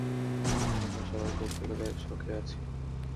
আমরা সবাই বলতে গেলে শকে আছি!